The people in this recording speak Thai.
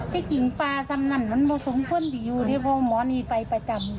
ที่จิงปลาสำนักมันสงค์เพิ่งที่อยู่ที่พ่อหมอนี่ไปประจำ